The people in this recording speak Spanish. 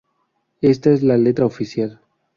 Esta es la letra oficial